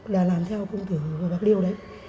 là làm theo công tử bạc liêu đấy